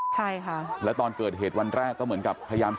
ใช่ค่ะ